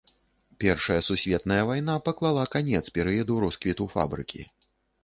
Першая сусветная вайна паклала канец перыяду росквіту фабрыкі.